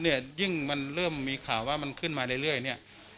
ยิ่งมันเริ่มมีข่าวว่ามันขึ้นมาเรื่อยเนี่ย